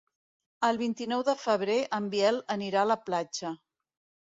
El vint-i-nou de febrer en Biel anirà a la platja.